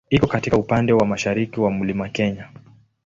Iko katika upande wa mashariki mwa Mlima Kenya.